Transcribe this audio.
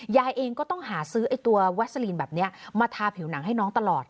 ยายเองก็ต้องหาซื้อไอ้ตัววัสลีนแบบนี้มาทาผิวหนังให้น้องตลอด